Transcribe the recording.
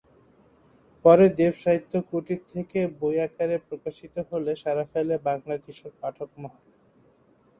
পরে দেব সাহিত্য কুটির থেকে বই আকারে প্রকাশিত হলে সাড়া ফেলে বাংলা কিশোর পাঠক মহলে।